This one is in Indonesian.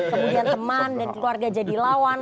kemudian teman dan keluarga jadi lawan